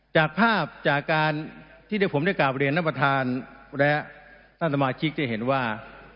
จากภาพจากการที่ผมได้กราบเรียนท่านประธานและท่านสมาชิกได้เห็นว่า